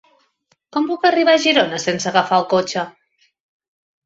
Com puc arribar a Girona sense agafar el cotxe?